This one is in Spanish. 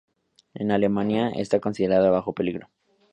En Alemania está considerada bajo peligro.